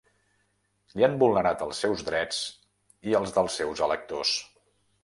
Li han vulnerat els seus drets i els dels seus electors.